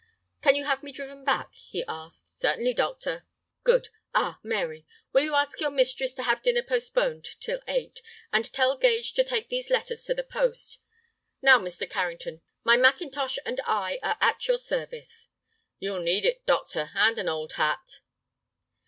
"Can you have me driven back?" he asked. "Certainly, doctor." "Good. Ah, Mary, will you ask your mistress to have dinner postponed till eight. And tell Gage to take these letters to the post. Now, Mr. Carrington, my mackintosh and I are at your service." "You'll need it, doctor, and an old hat."